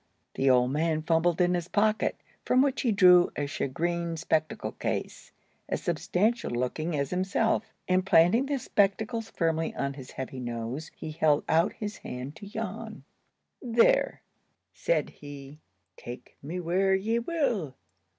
The old man fumbled in his pocket, from which he drew a shagreen spectacle case, as substantial looking as himself, and, planting the spectacles firmly on his heavy nose, he held out his hand to Jan. "There," said he, "take me where ye will.